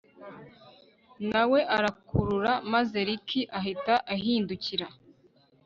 nawe arakurura maze Rick ahita ahindukira